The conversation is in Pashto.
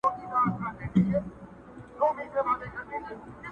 پیدا کړي خدای له اصله ظالمان یو٫